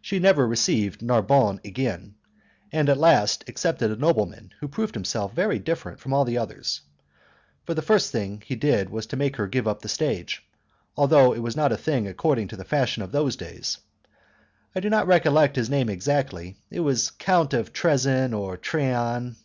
She never received Narbonne again, and at last accepted a nobleman who proved himself very different from all others, for the first thing he did was to make her give up the stage, although it was not a thing according to the fashion of those days. I do not recollect his name exactly; it was Count of Tressan or Trean.